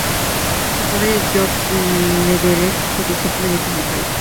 Su padre, George Lederer, producía comedias musicales.